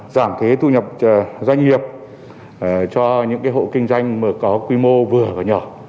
giảm thuế thu nhập doanh nghiệp cho những hộ kinh doanh mà có quy mô vừa và nhỏ